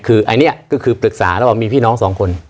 คืออันนี้ก็คือปรึกษาแล้วว่ามีพี่น้องสองคน